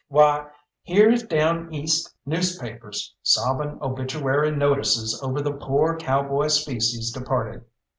Why, here's down east newspapers sobbing obituary notices over the poor cowboy species departed.